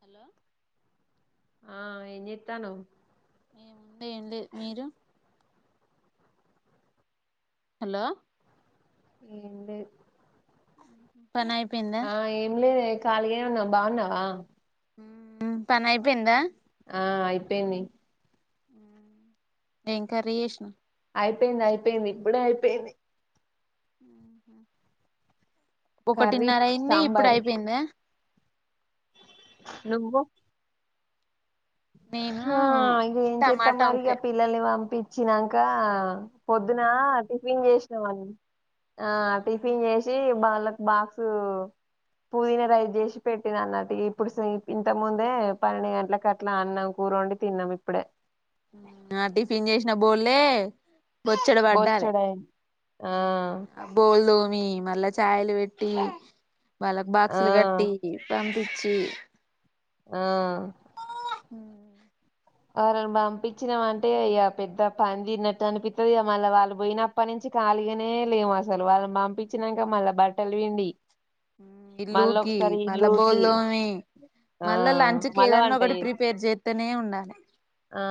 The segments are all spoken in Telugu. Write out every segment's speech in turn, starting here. హలో ఆ ఏం చేతనావ్ ఏముందే ఏం లేదు మీరు హలో ఏం లేద్ అ ఆ ఏం లే ఖాళీగే ఉన్నాం బావున్నావా పని అయిపోయిందా ఆ అయిపోయింది ఏం కర్రీ జేస్నవ్ అయిపోయింది అయిపోయింది ఇప్పుడే అయిపోయింది కర్రీ ఒకటిన్నర అయింది ఇప్పుడు అయిపోయింద నువ్వో నేను ఆ ఇగ ఏం చెత్తం టమాటా మరి ఇగ వంకాయ పిల్లల్ని పంపించినాకా పొద్దునా టిఫిన్ జేసినావన్ ఆ టిఫిన్ చేసి బాల బాక్సూ పుదీన రైస్ జేసి పెట్టిన అన్నటి ఇప్పుడు సి ఇంత ముందే పన్నెండు గంటల క ట్నినా అన్నం కూర వండి తిన్నాం ఇప్పుడే ఆ టిఫిన్ చేసిన బోల్లే బొచ్చెడు పడ్డాలె బొచ్చడయింది ఆ బోల్దోమి మళ్ళా చాయలు వెట్టి వాళ్ళకు ఆ బాక్సులు గట్టి పంపిచ్చి ఆ మ్మ్ వారిని పంపించినాం అంటే ఇక పెద్ద పని తీరినట్టు అనిపిత్తది మళ్ళ వాళ్ళ బోయన అప్పనించి ఖాళీగానే లేము అసలు వాళ్ళని పంపించినాక మళ్ళా బట్టలు పిండి మళ్ళీ ఇల్లూకి ఒకసారి మళ్ళ ఇల్లుకి బోల్దోమి ఆ మళ్ళా లంచ్ కి మళ్ళ ఏదన్నా వంట ఒకటి చేసి ప్రిపేర్ జేత్తనే ఉండాలి ఆ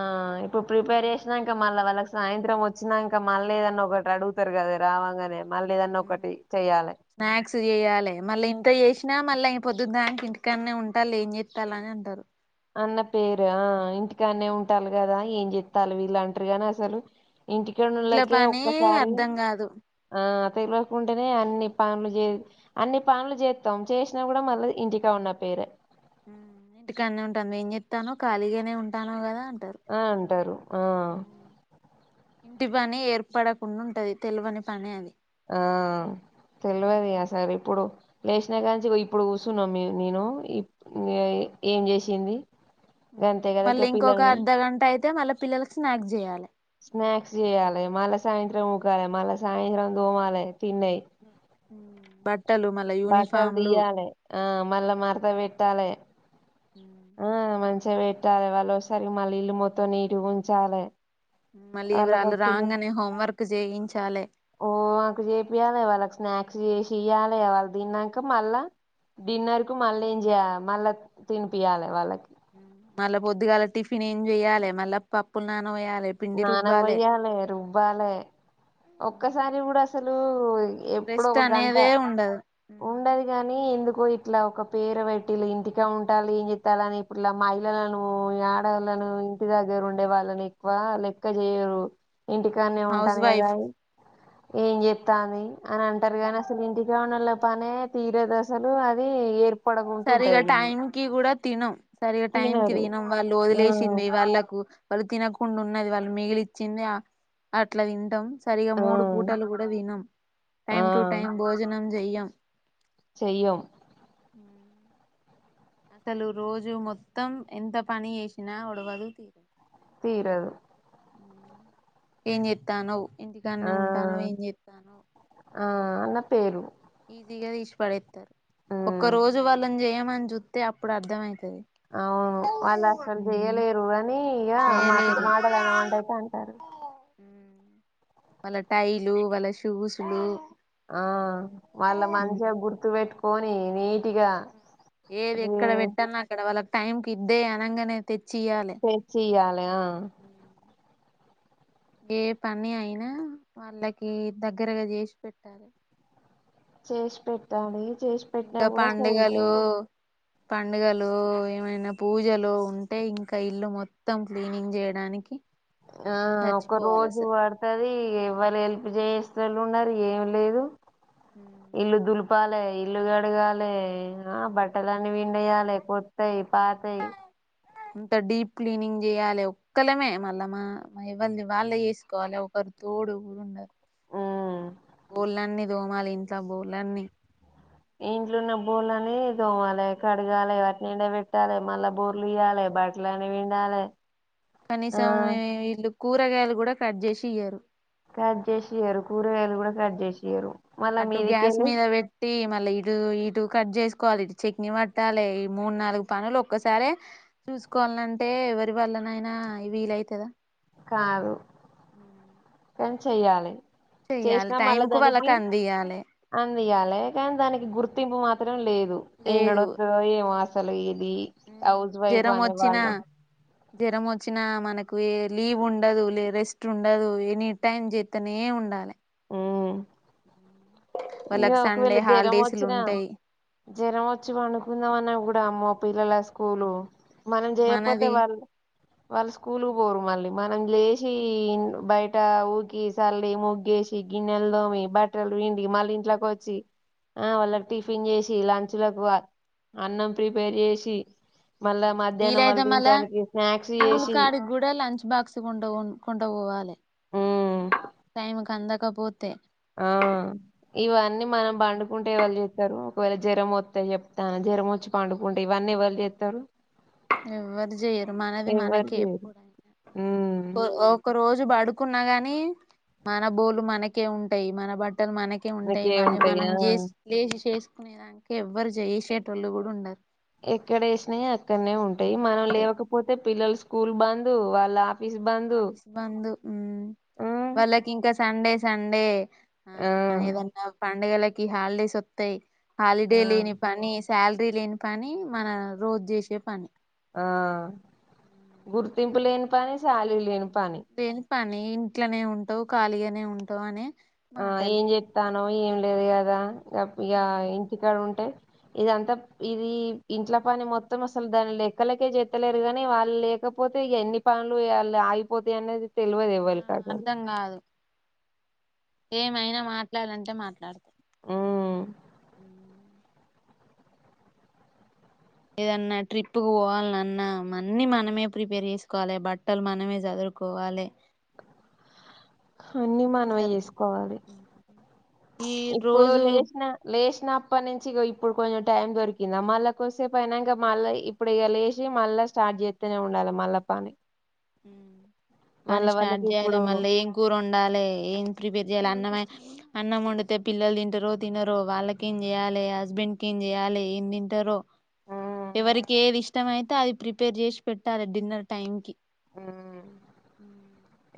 ఇప్పుడు ప్రిపేర్ జేసినంక అలా వాళ్ళకి సాయంత్రం వచ్చినంక మళ్ళ ఏదన్న ఒకటి అడుగుతారు కదా రావంగానే మళ్ళీ ఏదన్నా ఒకటి చెయ్యాలి స్నాక్స్ జేయాలి మళ్ళీ ఇంత జేసినా మళ్ళా ఇ పొద్దుదాక ఇంటికన్నే ఉంటాలే ఏం జేత్తెర్లె అనే అంటారు అన్న పేరు ఆ ఇంటికాన్నె ఉంటాలు కదా ఏం జేత్తాలు వీళ్ళు అంటారు గాని అస్సలు ఇంట్లో ఇంటికనుళ్ళకే పని ఒక్కసారి అర్ధం కాదు ఆ తెగులు ఎక్కువ ఉంటేనే అన్ని పనులు జే అన్ని పనులు జేత్తం చేసినా కూడా మళ్ళీ ఇంటికా ఉన్న పేరే ఇంటికడ్నె ఉంటనవ్ ఏం జేత్తనవ్ ఖాళీగానే ఉంటానవ్ కదా అంటారు ఆ అంటారు ఆ ఇంటి పని ఏర్పడకుండా ఉంటది తెలవని పని అది ఆ తెల్వది ఇగ ఆ సరి ఇప్పుడు లేసిన గాంచి ఇగో ఇప్పుడు కూర్చున్నాం మే నేను ఏయ్ ఏం చేసింది. గంతే కదా ఇగ మళ్ళీ ఇంకొక పిల్లల్ని అర్ధగంట అయితే మళ్ళీ పిల్లలకి స్నాక్స్ జేయాలి స్నాక్స్ జేయాలి మళ్ళ సాయంత్రం ఊకాలే మళ సాయంత్రం దోమాలి తిన్నై బ బట్టలు దియ్యాలి ఆ మళ్ళా మరత వెట్టాలె మ్మ్ చవెట్టాలి వాళ్ళు వచ్చేసరికి మళ్ళీ ఇల్లు మొత్తం నీటిగ ఉంచాలె మళ్ళీ వ్రాళ్ళు రాగాన్నే హోం వర్క్ జేయించాలె హోమ్ వర్క్ జేపియాలి వాళ్ళకి స్నాక్స్ జేసియ్యాలి వాళ్ళు దిన్నాక మళ్ళా డిన్నర్ కు మళ్ళీ ఏం జేయా మళ్ళ తినిపియాలి వాళ్ళకి మళ్ళా పొద్దుగాల టిఫిన్ ఏం చెయ్యాలి మళ్ళా పప్పులు నాన నాన వొయ్యాలి రుబ్బాలే ఒక్కసారి కూడా అసలూ ఎప్పుడు రెస్ట్ ఒక గంట అనేదే ఉండదు ఉండేది గానీ ఎందుకు ఒ ఇట్లా ఒక పేరు వెట్టి ఇలా ఇంటికె ఉంటాలి ఏం జేత్తాలని ఇప్పుడ్ల మహిళలనూ ఆడళ్ళోను ఇంటి దగ్గర ఉండే వాళ్ళని ఎక్కువ లెక్క జేయరు అవును ఇంటికాన్నే హౌస్ ఉంటాది వైఫ్ కదాయి ఏం జేత్తాంది అని అంటారు కానీ అస్సలు ఇంటి కానోళ్ళం పనే తీరదు అసలు అది ఏర్ సరే ఇగ టైమ్ కి కూడా తినం సరిగా టైం కి తినరు తినం వాళ్ళు ఆ వదిలేసింది వాళ్ళకు వాళ్ళు తినకుండా ఉన్నది వాళ్ళు మిగిలిచ్చింది అట్లా తింటాం సరిగా ఆ మూడు పూటలు కూడా తినాం ఆ టైం టు టైం భోజనం చెయ్యం చెయ్యం ఉ అసలు రోజు మొత్తం ఎంత పని చేేసినా ఒడువదు తీరదు ఏం చెత్తానవ్ ఇంటికాన్నే ఆ ఉంటానవు ఏం చేత్తన్నవ్ ఆ అన్న పేరు ఈజీ గా తీసి పడేస్తారు ఒక్క మ్మ్ రోజు వాళ్ళ చేయమని చూస్తే అప్పుడు అర్థం అవుతది అవును వాళ్ళు అసలు చెయలేరు అని ఇగ చేయలేరు మాటలునమంటే అయితే అంటారు వాళ్ళ టైలు వాళ్ళ షూస్లు ఆ వాళ్లు మంచిగా గుర్తు పెట్టుకొని నీ ఏది ఎక్కడ పెట్టాన్నే అక్కడ వాళ్ళకి టైంకి ఇద్దే అనగానే తెచ్చి తెచ్చియలే ఆ ఏ పని అయినా వాళ్ళకి దగ్గరగా చేసి పెట్టాలి చేసి పెట్టాలి చేసి పెట్టిన ఇంకా కూడా పండుగలు చేయలేదని పండుగలు ఏమైనా పూజలు ఉంటే ఇంకా ఇల్లు మొత్తం క్లీనింగ్ చేయడానికి ఆ మనం ఒక చచ్చిపోవాలి రోజు అసలు పడుతది ఎవరు హెల్ప్ చేస్త ఉన్నారు ఏం లేదు ఇల్లు దులుపాలే ఇల్లు కడగాలి ఆ బట్టలన్నీ పిండేయాలి కొత్తయ్ పాతయ్ అంత డీప్ క్లీనింగ్ చేయ్యాలి ఒక్కళమే మళ్ళా మా ఎవ్వల్దీ వాల్లే చేసుకోవాలి ఒక తోడు ఉండరు ఉమ్ బోల్లన్ని తోమాలి ఇంట్ల బోల్లన్ని ఇంట్లో ఉన్న బోల్లన్ని తోమాలే కడగాలి వాటి ఎండ పెట్టాలి మళ్ళా బోర్లీయ్యాలి బట్టల అన్ని పిండాలి కనీసం వీళ్ళు కూరగాయలు కూడా కట్ చేసి ఇయ్యారు కట్ చేసిఇయ్యరు కూరగాయలు కూడా కట్ చేసి ఇయ్యరు మల్ల అటు గ్యాస్ మీదికెళ్ళి మీద పెట్టి మళ్ళీ ఇటు కట్ చేసుకోవాలి ఇటు చట్నీ పట్టాలి ఈ మూడు నాలుగు పనులు ఒక్కసారే చూసుకోవాలంటే ఎవరి వళ్లనైనా వీలైతదా కాదు మ్మ్ హ్ చెయ్యాలి చేసినా మళ్ళ కు దానికి వాళ్ళకి అందియాలి అందియ్యాలి కానీ దానికి గుర్తింపు మాత్రం లేదు లేదు ఏన్నాడోత్తదో ఏమో అసలు అసలు ఇది హౌస్ వైఫ్ జ్వరం అనే వచ్చినా వాళ్ళు జ్వరం వచ్చినా మనకు లీవ్ ఉండదు లే రెస్ట్ ఉండదు ఎనీ టైమ్ చేస్తనే ఉండాలి ఉమ్ ఇంగ వాళ్ళకి సండే ఒకవేళ జ్వరం హాలిడేస్లు వచ్చినా ఉంటాయి జ్వరం వచ్చి పండుకుందామన్నా కూడా అమ్మో పిల్లలస్తే స్కూలు మనం చేయపోతే మనది వాళ్ళు స్కూల్ కు పోరు మళ్ళీ మనం లేసి బయట ఊడ్చి సల్లి ముగ్గేసి గిన్నెలు దోమి బట్టలు పిండి మళ్ళీ ఇంట్లోకి వచ్చి ఆ వాళ్ళ టిఫిన్ చేసి లంచ్ వాళ్లకు అన్నం ప్రిపేర్ చేసి మల్ల మధ్యాహ్నం వాళ్ళు వీలైతే మళ్ళా తినడానికి స్నా స్కూల్ కాడికి కూడా లంచ్ బాక్స్ కొంటపోవాలి ఉమ్ టైం కి అందకపోతే ఆ ఇవన్నీ మనం పండుకుంటే ఎవరు చేస్తారు ఒకవేళ జ్వరం ఒత్తే చెప్తన్నా జ్వరం వచ్చి పండుకుంటే ఇవన్నీ ఎవరు చేస్తారు ఎవ్వరు చేయ్యరు మనది ఎవరు మనకే చేయరు ఎప్పుడైనా ఉమ్ ఒక రోజు పడుకొంటె కున్నా గానీ మన బోలు మనకే ఉంటాయి మన బ ట్టలు మనకే ఉంటాయి నీకే మళ్ళీ మనం ఉంటాయా జేస్ లేసి చేస్ కునేదానికి ఎవ్వరూ చేషోటోళ్ళు కూడా ఉండరు ఎక్కడేషినయి అక్కడనే ఉంటాయి మనం ఉంటాయి లేవకపోతే పిల్లలు స్కూల్ బందు వాళ్ళ ఆఫీస్ బంద్ ఉమ్ వాళ్ళకింక సండే సండే ఆ ఏదన్నా పండగలకి హాలిడేస్ వత్తయి ఆ హాలిడే లేని పని శాలరీ లేని పని మన రోజూ చేసే పని ఆ దింపు లేని పని సాలరీ లేని పని లేని పని ఇంట్లోనే ఉంటవు ఖాళీగానే ఉంటవు అని ఆ ఏం చెప్తానో ఏం లేదు కదా ఇక ఇంటికాడ ఉంటే ఇదంతా ఇది ఇంట్ల పని మొత్తం అసలు దాని లెక్కలకే చేత్తలేరు గాని వాళ్ళు లేక కాకపోతే ఇక ఎన్ని పనులు వాళ్ళ ఆగిపోతాయన్నది తెల్వదు ఆ ఎవ్వరికి అసలు అర్ధం కాదు ఏమైనా మాట్లాడాలంటే మాట్లాడతా ఉమ్ ఏదన్నా ట్రిప్ కు పోవాలన్నా అన్ని మనమే ప్రిపేర్ చేసుకోవాలి బట్టలు మనమే సరుదు కోవాలి అన్ని మనమే అసలు చేసుకోవాలి ఈ ఇప్పుడు రోజు లేచిన లేస్ అప్పటి నుంచి ఇగో ఇప్పుడు కొంచెం టైం దొరికిందా మళ్ళా కూసేపు అయినంక మళ్ళా ఇప్పుడు ఇక లేసి మళ్ళా స్టార్ట్ చేస్తేనే ఉండాల మల్ల పని పని మళ్ళా స్టార్ట్ వాళ్ళకి చేయాలి ఇప్పుడు మళ్ళీ ఏం కూర వండాలి ఏం ప్రిపేర్ చేయ్యాలి అన్నమైన అన్నం వండితే పిల్లలు తింటరో తినరో వాళ్ళకి ఏం చెయ్యాలి హస్బెండ్ కి ఏం చేయాలి ఎందీ తింటరో ఉమ్ ఎవరికి ఏది ఇష్టం అయితే అది ప్రిపేర్ చేసి పెట్టాలి డిన్నర్ టైమ్ కి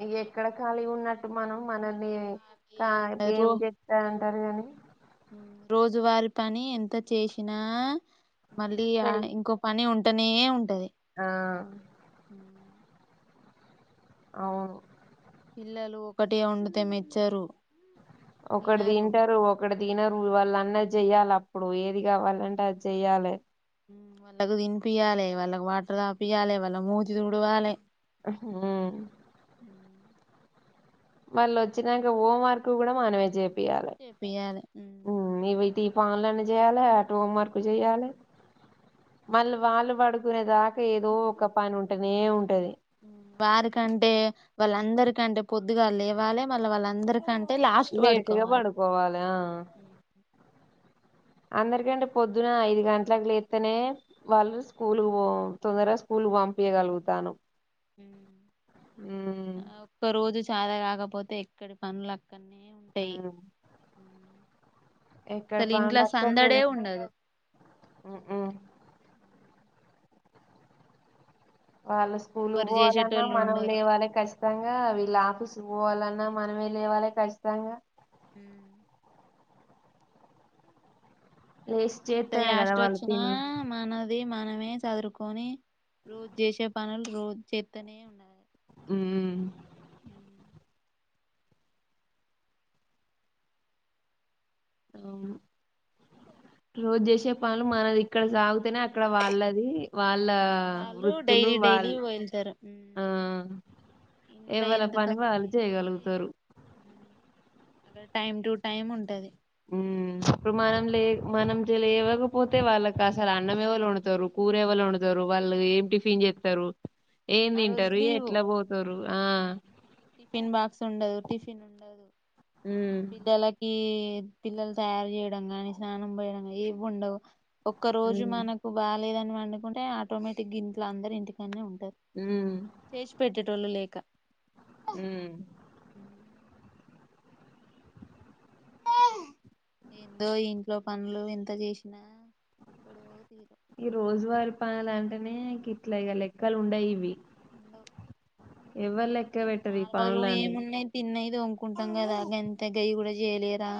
ఇంగ ఎక్కడ ఖాళీ ఉన్నట్టు మనం మనల్ని కా ఏముండదు ఇప్పుడు ఏం రో చేస్తారంటారు కానీ ఉమ్, రోజువారి పని ఎంత చేసినా మళ్ళీ చెయ్ ఇంకో పని ఉంటనే ఉంటది ఆ ఉమ్, అవును పిల్లలు ఒకటే వండితే మెచ్చరు ఒకటి తినరు తింటారు ఒకటి తినరు వాళ్ళ అన్నది చెయ్యాలి అప్పుడు ఏది కావాలంటే అది చెయ్యాలె ఊ వాళ్ళకు దినిపియ్యాలె వాళ్ళకి వాటర్ దాపియ్యాలె వాళ్ళ మూతి తుడవాలె ఊ వాళ్ళు వచ్చినాక హోం వర్క్ కూడా మానమే చేపియ్యాలి చేపియాలే ఊ ఇవిటి పాన్లన్నీ చేయాలి అటు హోమ్ వర్క్ చేయాలె మళ్ళీ వాళ్ళు పడుకునే దా క ఏదో ఒక పని ఉంటేనే ఉంటది ఊ వారుకంటే వాళ్ళందరుకంటే పొద్దుగాల లేవాలె మళ్ళీ వాళ్ళందరికం టే లాస్ట్ లేటుగా వడుకోవాల్ పడుకోవాలి ఆ అందరికంటే పొద్దున ఐదు గంటలకు లేత్తేనే వాళ్ళు స్కూలుకు పో తొందరగా స్కూలుకు పం పియ్యగలుగుతాను ఊ ఒక్క రోజు చాత కాకపోతే ఎక్కడి పనులక్ ఊ ఎక్కడ అసలు పనులు ఇంట్లో అక్కడనే సందడే ఉం ఉండదు వాళ్ళు స్కూలుకు ఎవ్వరు పోవాలన్నా చేసేటోళ్ళు మనం ఉండరు లేవాలే కస్ తంగా వీళ్ళు ఆఫీసుకి పోవాలన్నా మనమే లేవాలే ఖచ్చితంగా ఊమ్ లేసి ఎంత చేత్తేనే కదా యాస్ట్ వాళ్ళు వచ్చినా తిని మానద్ ది మనమే చదురుకోని రోజూ చేసే పనులు రోజూ చేత్తనే ఉండాలి గుమ్ ఊ ఔను రోజు చేసే పనులు మనది ఇక్కడ సాగుతనే అక్కడ వాళ్ళదీ. వాళ్ళా వాళ్ళు వృత్తులు డైలీ డైలీ వాళ్ళ్ వెళ్తారు ఉమ్. ఆ ఇంట్లో ఎవళ ఎంత పని తొందర వాళ్ళు చేసి చేయగలుగుతరు. ఉమ్, అక్కడ టైం టు టైం ఉంటది. ఊ అప్పుడు మనం లే మనం జె లేవకపోతే వాళ్ళక్ అసల్ అన్నం ఎవళు ఒండుతరు, కూర ఎవళు వండుతరు, వాళ్ళు ఏం టిఫిన్ చేత్తరు. ఏం ఆ రోజు తింటరు, లీవు ఎట్ల పోతరు ఆ టిఫిన్ బాక్స్ ఉండదు, టిఫిన్ ఉండదు హ్మ్. పిల్లలకీ పిల్లల్ తయారు చేయడం గాని, స్నానం పోయడం ఏవ్వుండవు. ఒక్క రోజు హ్మ్. మనకు బాగలేదని పండుకుంటే ఆటోమేటిక్గింట్లా అందరు ఇంటికాడనే ఉంట్ హ్ము టోళ్ళు లేక ఊ ఏందో ఈ ఇంట్లో పనులు ఎంత చేశినా ఒడవవు తీరవ్. పనులంటనే గిట్ల ఇగ లెక్కలు ఉండయి ఇవి. ఉండవు. లెక్క ఈ పెట్టరు నార్మల్ గా పనులన్నీ ఏమున్నయి తిన్నయ్ తోముకుంటం గదా గంతే గయి గూడా చెయ్యలేదా.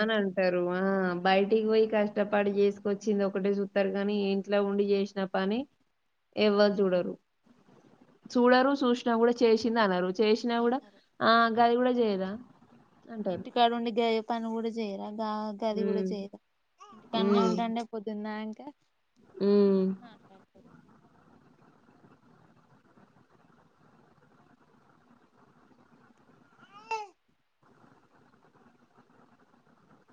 అని అంటరు ఆ బయటికి పోయి కష్టపడి చేసుకొచ్చింది ఒకటే చూతరు కానీ, ఇంట్లో ఉండి చేశిన పని ఎవ్వర్ చూడరు. చూడరు చూశినా గూడా చేశింది అనరు. చేశినా గూడా అన్నారు ఆ గది గూడా చేయదా అంటరు. ఇంటికాడ ఉండి గయ్య పని గూడా చేయరా గా గది గూడా చేయరా. ఇంటి కాడనే ఉమ్ ఉంటాండే పొద్దున్ దాంకా అని ఉమ్ మాట్లాడుతరు. బాయ్